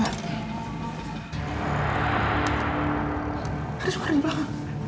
suara yang belakang